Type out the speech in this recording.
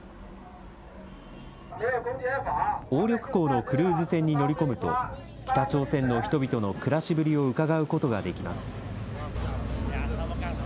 鴨緑江のクルーズ船に乗り込むと、北朝鮮の人々の暮らしぶりをうかがうことができます。